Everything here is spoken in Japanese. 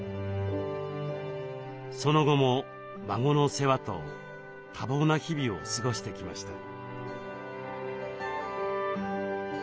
その後も孫の世話と多忙な日々を過ごしてきました。